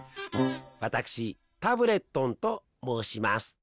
わたくしタブレットンともうします。